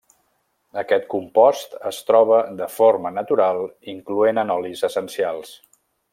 Aquest compost es troba de forma natural incloent en olis essencials.